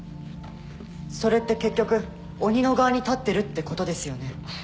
それって結局鬼の側に立ってるってことですよね？